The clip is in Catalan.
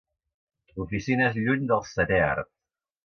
Oficines lluny del setè art.